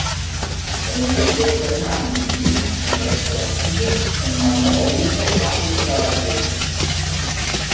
Kune vespermanĝis ni en restoracio en malnova urbo apud la lageto.